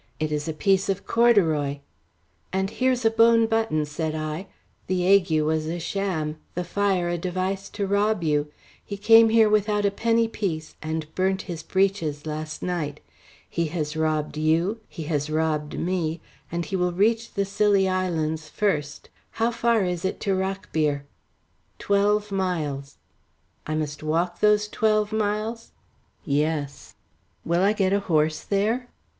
"It is a piece of corduroy." "And here's a bone button," said I. "The ague was a sham, the fire a device to rob you. He came here without a penny piece and burnt his breeches last night. He has robbed you, he has robbed me, and he will reach the Scilly Islands first. How far is it to Rockbere?" "Twelve miles." "I must walk those twelve miles?" "Yes." "Will I get a horse there?"